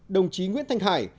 đồng chí nguyễn thanh hải